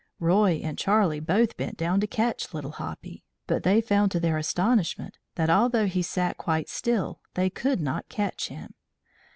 Roy and Charlie both bent down to catch Little Hoppy, but they found to their astonishment that, although he sat quite still, they could not touch him.